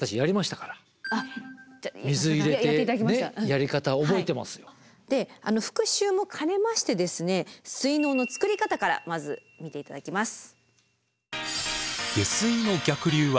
やり方覚えてますよ。で復習も兼ねまして水のうの作り方からまず見て頂きます。